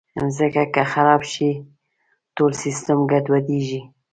مځکه که خراب شي، ټول سیسټم ګډوډېږي.